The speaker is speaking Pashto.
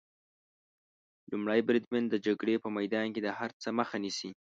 لومړی بریدمن د جګړې په میدان کې د هر څه مخه نیسي.